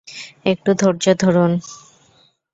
একটু ধৈর্য ধরুন।